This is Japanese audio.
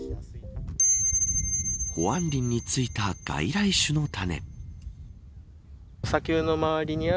保安林についた外来種の種。